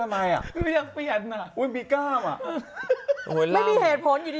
ไม่เปลี่ยนตะเบือนว่ะ